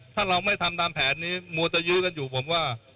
ถ้าเราไม่ทำตามแผนนี้มัวจะยื้อกันอยู่ผมว่า